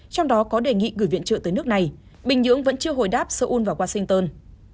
trong đó có đề nghị gửi viện trợ tới nước này bình nhưỡng vẫn chưa hồi đáp seoul và washington